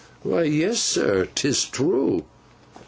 'Why yes, sir. 'Tis true.